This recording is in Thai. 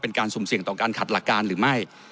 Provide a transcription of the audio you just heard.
สุ่มเสี่ยงต่อการขัดหลักการหรือไม่